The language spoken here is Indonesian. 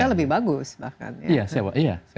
atau kalau bisa lebih bagus bahkan ya